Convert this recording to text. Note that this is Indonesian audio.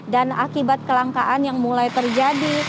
dan akibat kelangkaan yang mulai terjadi